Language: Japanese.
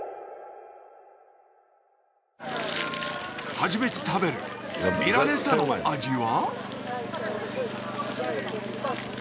初めて食べるミラネサの味は？